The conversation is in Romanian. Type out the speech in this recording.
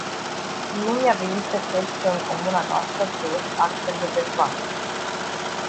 Nu mi-a venit să cred că în comuna noastră trăiesc astfel de persoane.